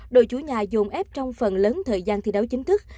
đội chủ nhà dồn ép trong phần lớn thời gian thi đấu chính thức